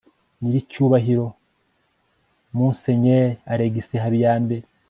nyiricyubahiro myr alexis habiyambere